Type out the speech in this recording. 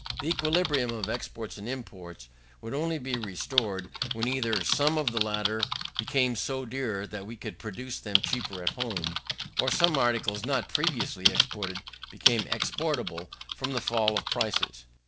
The equilibrium of exports and imports would only be restored, when either some of the latter became so dear that we could produce them cheaper at home, or some articles not previously exported became exportable from the fall of prices.